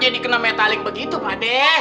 pak sri kitty ini ulah trio beratnya pade